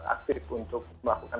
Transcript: aktif untuk melakukan